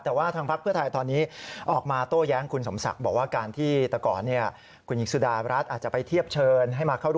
แต่ว่าทางพรรคเพื่อถ่ายตอนนี้ออกมาโต้แย้งคุณสมศักดิ์